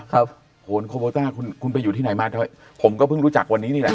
โหนโคโบต้าคุณคุณไปอยู่ที่ไหนมาผมก็เพิ่งรู้จักวันนี้นี่แหละ